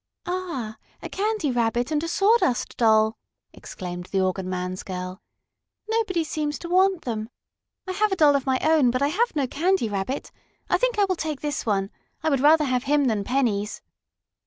"Ah, a Candy Rabbit and a Sawdust Doll!" exclaimed the organ man's girl. "Nobody seems to want them. I have a doll of my own, but I have no Candy Rabbit. I think I will take this one. I would rather have him than pennies!"